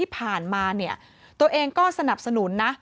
ที่ผ่านมาเนี่ยตัวเองก็สนับสนุนนะ